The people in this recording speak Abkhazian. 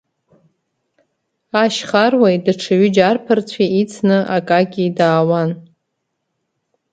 Ашьхаруеи даҽа ҩыџьа арԥарцәеи ицны, Акакьи даауан.